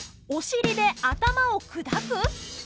おしりで頭を砕く？